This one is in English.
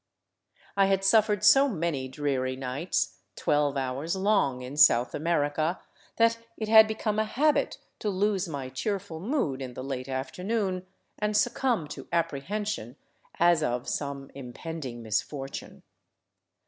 I had suflFered so many dreary nights, twelve hours long, in South America, that it had become a habit to lose my cheerful mood in the late after , noon and succumb to apprehension, as of some impending misfor i tune.